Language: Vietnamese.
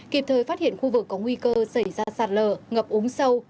kịp thời phát hiện khu vực có nguy cơ xảy ra sạt lở ngập úng sâu